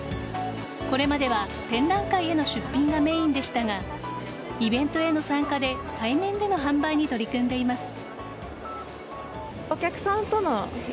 これまでは展覧会への出品がメインでしたがイベントへの参加で対面での販売に取り組んでいます。